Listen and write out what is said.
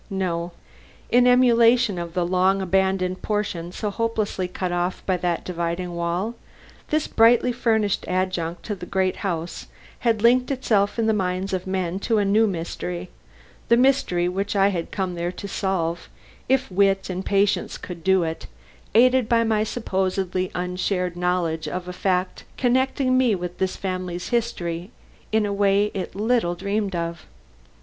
No. In emulation of the long abandoned portion so hopelessly cut off by that dividing wall, this brightly furnished adjunct to the great house had linked itself in the minds of men to a new mystery the mystery which I had come there to solve, if wit and patience could do it, aided by my supposedly unshared knowledge of a fact connecting me with this family's history in a way it little dreamed of.